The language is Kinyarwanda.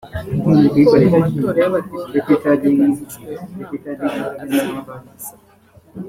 ngo kuko mu matora y’Abadepite ateganijwe umwaka utaha aziyamamaza